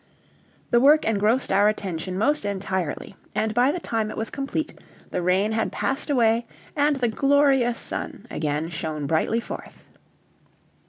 The work engrossed our attention most entirely, and by the time it was complete the rain had passed away and the glorious sun again shone brightly forth.